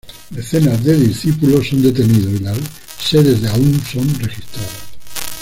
Decenas de discípulos son detenidos y las sedes de Aum son registradas.